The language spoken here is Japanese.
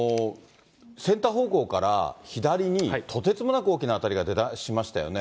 センター方向から左にとてつもなく大きな当たりが出だしましたよね。